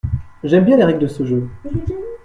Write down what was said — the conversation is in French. J’aime bien les règles de ce jeu.